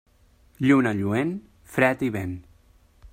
Lluna lluent, fred i vent.